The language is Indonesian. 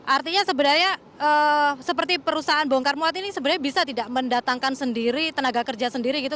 artinya sebenarnya seperti perusahaan bongkar muat ini sebenarnya bisa tidak mendatangkan sendiri tenaga kerja sendiri gitu